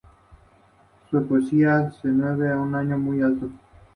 La mayoría fueron diseñadas por Ken y Roberta Williams.